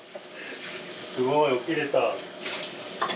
すごい起きれた。